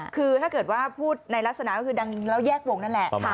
คือถ้าเกิดว่าพูดในลักษณะก็คือดังแล้วแยกวงนั่นแหละ